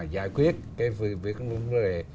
giải quyết cái vấn đề